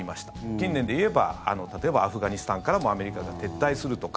近年で言えば例えばアフガニスタンからもアメリカが撤退するとか。